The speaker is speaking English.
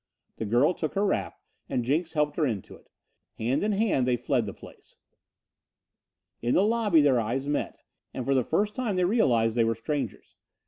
The girl took her wrap and Jenks helped her into it. Hand in hand they fled the place. In the lobby their eyes met, and for the first time they realized they were strangers.